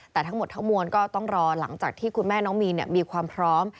แต่ทั้งหมดทั้งมวลก็ต้องรอหลังจากที่คุณแม่น้องมีนมีความพร้อม